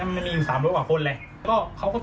ไม่ไปหาหมอก่อนหรอกค่ะ